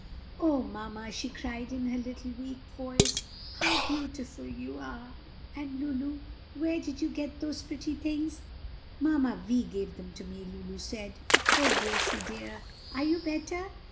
"O mamma!" she cried in her little weak voice, "how beautiful you are! And, Lulu, where did you get those pretty things?" "Mamma Vi gave them to me," Lulu said. "O Gracie dear, are you better?"